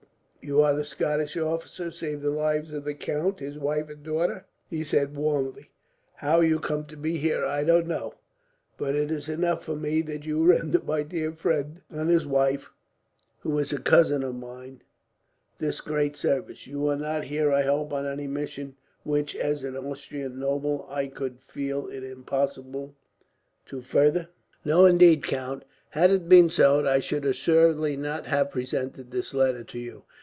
"You are the Scottish officer who saved the lives of the count, his wife, and daughter," he said warmly. "How you come to be here I don't know, but it is enough for me that you rendered my dear friend and his wife, who is a cousin of mine, this great service. You are not here, I hope, on any mission which, as an Austrian noble, I could feel it impossible to further." "No indeed, count. Had it been so, I should assuredly not have presented this letter to you.